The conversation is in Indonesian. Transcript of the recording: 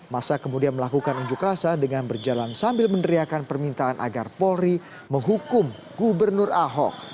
masa kemudian melakukan unjuk rasa dengan berjalan sambil meneriakan permintaan agar polri menghukum gubernur ahok